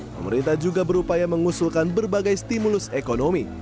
pemerintah juga berupaya mengusulkan berbagai stimulus ekonomi